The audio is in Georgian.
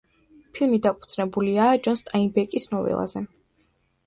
ფილმი დაფუძნებულია ჯონ სტაინბეკის ნოველაზე.